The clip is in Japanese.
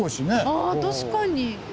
あ確かに。